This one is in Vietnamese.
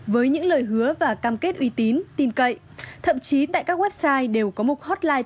với những lời hứa và cam kết uy tín tin cậy thậm chí tại các website đều có một hotline